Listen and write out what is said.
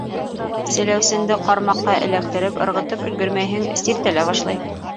Селәүсенде ҡармаҡҡа эләктереп ырғытып өлгөрмәйһең, сиртә лә башлай.